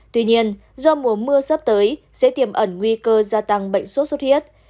tuy nhiên do mùa mưa sắp tới sẽ tiềm ẩn nguy cơ gia tăng bệnh sốt xuất huyết